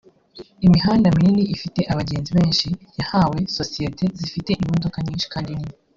Imihanda minini ifite abagenzi benshi yahawe sosiyete zifite imodoka nyinshi kandi nini